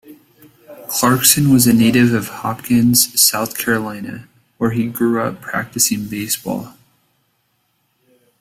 Clarkson was a native of Hopkins, South Carolina, where he grew up practicing baseball.